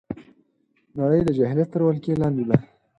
نړۍ د جاهلیت تر ولکې لاندې ده